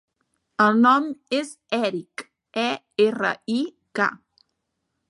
El nom és Erik: e, erra, i, ca.